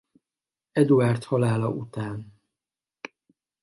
Eduárd halála után.